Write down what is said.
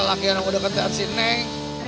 lagi lagi yang udah kerjaan sini